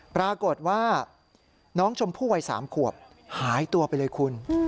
ปรากฏว่าน้องชมพู่วัย๓ขวบหายตัวไปเลยคุณ